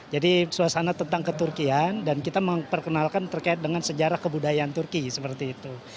jadi suasana tentang keturkian dan kita memperkenalkan terkait dengan sejarah kebudayaan turki seperti itu